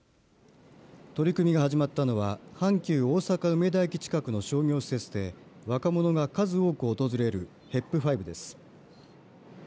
取り組みが始まったのは阪急大阪梅田駅近くの商業施設で若者が数多く訪れるＨＥＰＦＩＶＥです。